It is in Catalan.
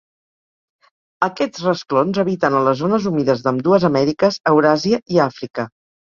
Aquests rasclons habiten a les zones humides d'ambdues Amèriques, Euràsia i Àfrica.